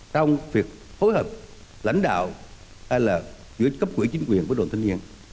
trong việc phối hợp lãnh đạo hay là giữa cấp quỹ chính quyền với đoàn thanh niên